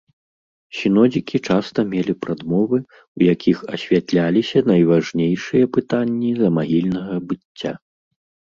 Сінодзікі часта мелі прадмовы, у якіх асвятляліся найважнейшыя пытанні замагільнага быцця.